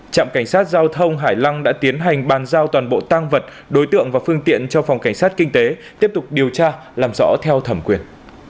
trạm cảnh sát giao thông hải lăng đã tiến hành bàn giao toàn bộ tang vật đối tượng và phương tiện cho phòng cảnh sát kinh tế tiếp tục điều tra làm rõ theo thẩm quyền